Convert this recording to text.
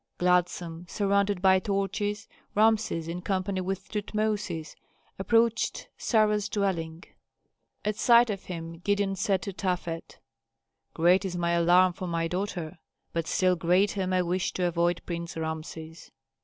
Gladsome, surrounded by torches, Rameses, in company with Tutmosis, approached Sarah's dwelling. At sight of him Gideon said to Tafet, "Great is my alarm for my daughter, but still greater my wish to avoid Prince Rameses."